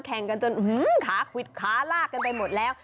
แข่งกันจนขาควิดขาลากกันไปหมดแล้ว